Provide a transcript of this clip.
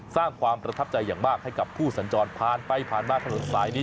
สร้างความประทับใจอย่างมากให้กับผู้สัญจรผ่านไปผ่านมาถนนสายนี้